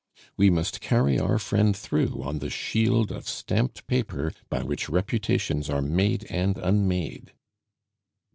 We must carry our friend through on the shield of stamped paper by which reputations are made and unmade."